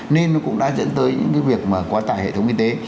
nên nó cũng đã dẫn tới những cái việc mà quá tải hệ thống kinh tế